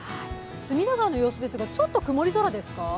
隅田川の様子ですがちょっと曇り空ですか？